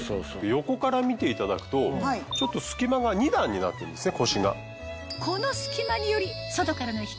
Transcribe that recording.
横から見ていただくとちょっと隙間が２段になってるんですね。